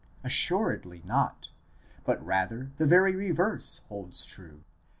Assuredly not; but rather the very reverse holds true.